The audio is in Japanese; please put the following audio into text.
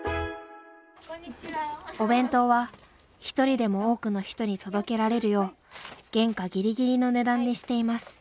お弁当は一人でも多くの人に届けられるよう原価ぎりぎりの値段にしています。